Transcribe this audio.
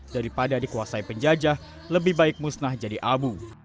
daripada dikuasai penjajah lebih baik musnah jadi abu